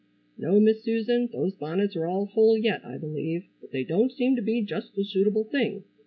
"No, Miss Susan, those bonnets are all whole yet I believe, but they don't seem to be just the suitable thing.